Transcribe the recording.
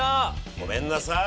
ごめんなさい。